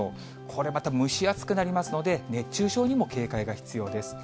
これまた蒸し暑くなりますので、熱中症にも警戒が必要です。